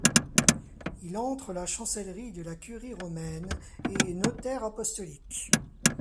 Il entre la chancellerie de la Curie romaine et est notaire apostolique.